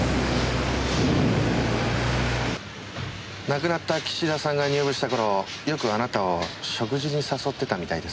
亡くなった岸田さんが入部した頃よくあなたを食事に誘ってたみたいですね。